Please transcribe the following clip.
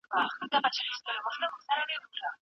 آنلاين کورسونه ډېر اغېزمن دي.